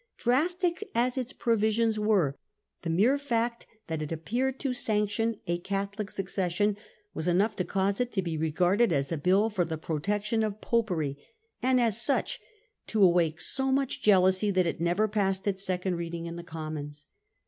Drastic as its provisions were, the mere fact that it appeared to sanction a Catholic succession was enough to cause it to be regarded as a bill for the protection of Popery, and, as such, to awake so much jealousy that it never passed its second reading in the Commons.